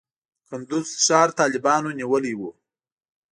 کندز ښار طالبانو نیولی و.